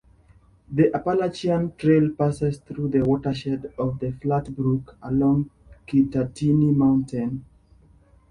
The Appalachian Trail passes through the watershed of the Flat Brook along Kittatinny Mountain.